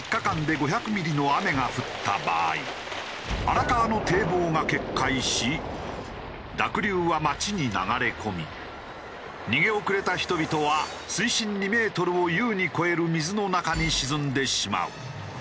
荒川の堤防が決壊し濁流は街に流れ込み逃げ遅れた人々は水深２メートルを優に超える水の中に沈んでしまう。